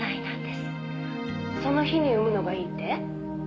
「その日に産むのがいいって？」